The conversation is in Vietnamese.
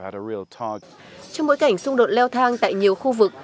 trong bối cảnh xung đột leo thang tại nhiều khu vực